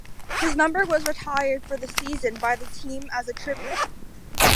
His number was retired for the season by the team as a tribute.